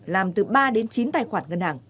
làm từ ba đến chín tài khoản ngân hàng